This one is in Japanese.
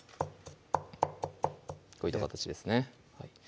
こういった形ですね